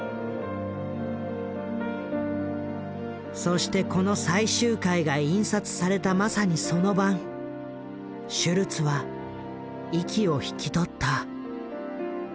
そしてこの最終回が印刷されたまさにその晩シュルツは息を引き取った。